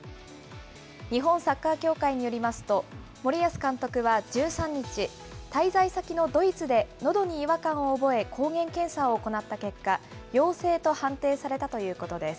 日本サッカー協会によりますと、森保監督は１３日、滞在先のドイツでのどに違和感を覚え、抗原検査を行った結果、陽性と判定されたということです。